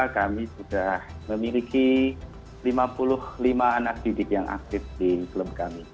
dua ribu dua puluh dua kami sudah memiliki lima puluh lima anak didik yang aktif di klub kami